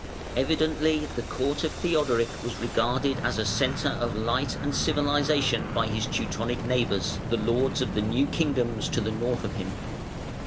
] Evidently the court of Theodoric was regarded as a centre of light and civilisation by his Teutonic neighbours, the lords of the new kingdoms to the north of him.